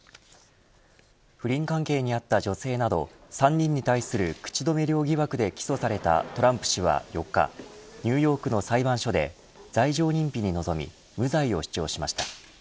不倫関係にあった女性など３人に対する口止め料疑惑で起訴されたトランプ氏は４日ニューヨークの裁判所で罪状認否に臨み無罪を主張しました。